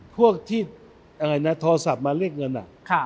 พวกที่โทรศัพท์มาเรียกเงิน